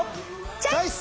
チョイス！